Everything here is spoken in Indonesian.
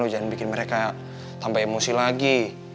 jangan bikin mereka tambah emosi lagi